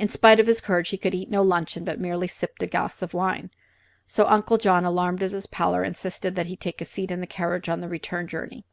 In spite of his courage he could eat no luncheon, but merely sipped a glass of wine; so Uncle John, alarmed at his pallor, insisted that he take a seat in the carriage on the return journey.